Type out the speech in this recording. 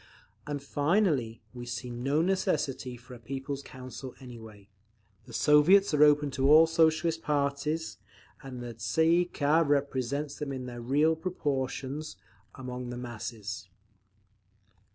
And finally, we see no necessity for a 'People's Council' anyway; the Soviets are open to all Socialist parties, and the Tsay ee kah represents them in their real proportions among the masses…."